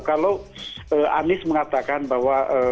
kalau anies mengatakan bahwa